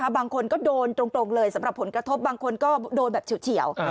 บางคนก็โดนตรงเลยสำหรับผลกระทบบางคนก็โดนแบบเฉียว